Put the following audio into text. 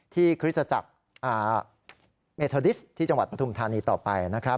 คริสตจักรเมทอดิสที่จังหวัดปฐุมธานีต่อไปนะครับ